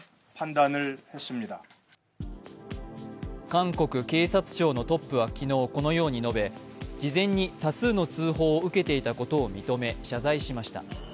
韓国警察庁のトップは昨日、このように述べ事前に多数の通報を受けていたことを認め、謝罪しました。